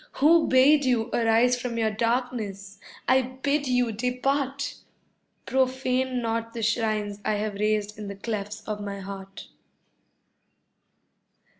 Who bade you arise from your darkness? I bid you depart! Profane not the shrines I have raised in the clefts of my heart.